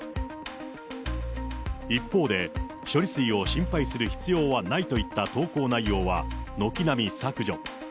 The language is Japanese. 一方で、処理水を心配する必要はないといった投稿内容は、軒並み削除。